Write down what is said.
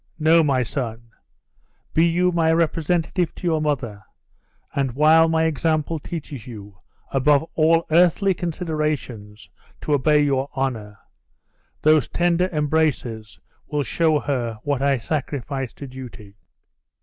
No, my son! Be you my representative to your mother; and while my example teaches you, above all earthly considerations, to obey your honor, those tender embraces will show her what I sacrifice to duty."